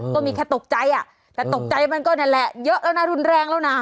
ก็มีแค่ตกใจอ่ะแต่ตกใจมันก็นั่นแหละเยอะแล้วนะรุนแรงแล้วนะ